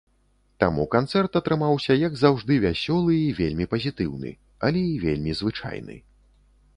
Таму канцэрт атрымаўся як заўжды вясёлы і вельмі пазітыўны, але і вельмі звычайны.